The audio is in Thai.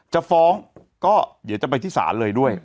จะฟ้องก็เดี๋ยวจะไปที่ศาลเลยด้วย